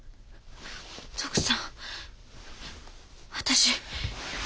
徳さん私。